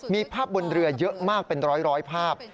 มีภาพบนเรือเยอะมากเป็นร้อยภาพ